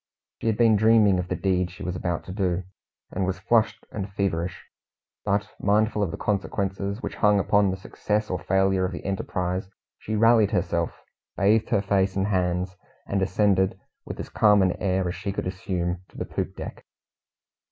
She had been dreaming of the deed she was about to do, and was flushed and feverish; but, mindful of the consequences which hung upon the success or failure of the enterprise, she rallied herself, bathed her face and hands, and ascended with as calm an air as she could assume to the poop deck.